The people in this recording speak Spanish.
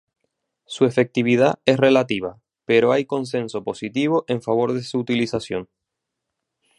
Su efectividad es relativa, pero hay consenso positivo en favor de su utilización.